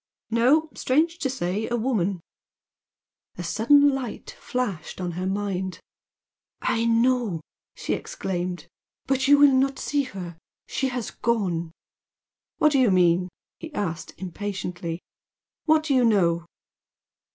"No. Strange to say, a woman." A sudden light flashed on her mind. "I know!" she exclaimed "But you will not see her! She has gone!" "What do you mean?" he asked, impatiently "What do you know?"